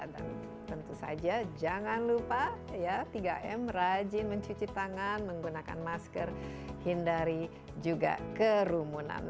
dan tentu saja jangan lupa ya tiga m rajin mencuci tangan menggunakan masker hindari juga kerumunan